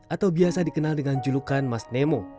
atau biasa dikenal dengan julukan mas nemo